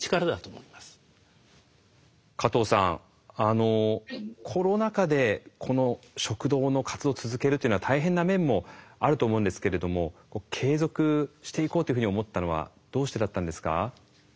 加藤さんコロナ禍でこの食堂の活動を続けるっていうのは大変な面もあると思うんですけれども継続していこうというふうに思ったのはどうしてだったんですか？